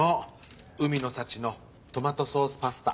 海の幸のトマトソースパスタ。